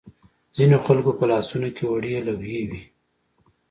ځینو خلکو په لاسونو کې وړې لوحې وې.